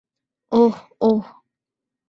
ওহ, ওহ!